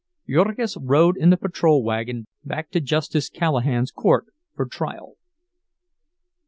Jurgis rode in the patrol wagon back to Justice Callahan's court for trial.